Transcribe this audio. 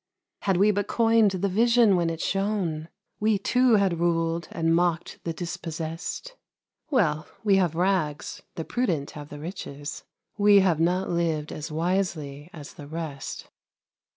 Had we but coined the vision when it shone We, too, had ruled, and mocked the dispossessed. Well! we have rags, the prudent have the riches We have not lived as wisely as the rest.